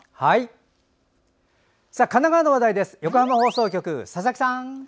神奈川の話題横浜放送局、佐々木さん。